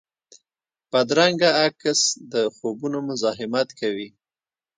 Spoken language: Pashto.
بدرنګه عکس د خوبونو مزاحمت کوي